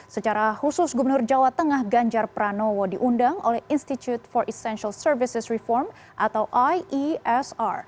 secara khusus gubernur jawa tengah ganjar pranowo diundang oleh institute for essential services reform atau iesr